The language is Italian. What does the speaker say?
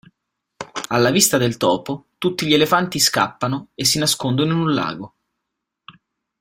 Alla vista del topo, tutti gli elefanti scappano e si nascondono in un lago.